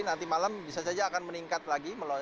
nanti malam bisa saja akan meningkatkan